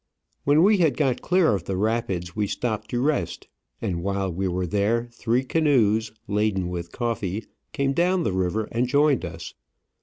When we had got clear of the rapids we stopped to rest, and while we were there three canoes, laden with coffee, came down the river and joined us.